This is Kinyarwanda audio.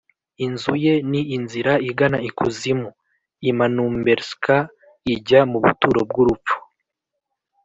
inzu ye ni inzira igana ikuzimu, imanumberska ijya mu buturo bw’urupfu